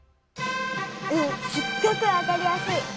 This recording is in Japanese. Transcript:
うんすっごくわかりやすい！